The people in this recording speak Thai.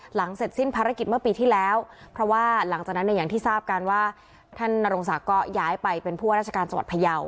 หลังเสร็จสิ้นภารกิจเมื่อปีที่แล้วเพราะว่าหลังจากนั้นเนี่ยอย่างที่ทราบกันว่าท่านนรงศักดิ์ก็ย้ายไปเป็นผู้ว่าราชการจังหวัดพยาว